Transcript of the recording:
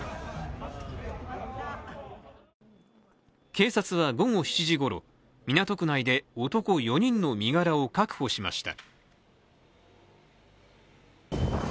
警察は午後７時ごろ、港区内で男４人の身柄を確保しました。